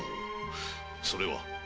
それは？